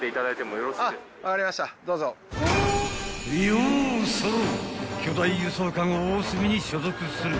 ［ようそろ］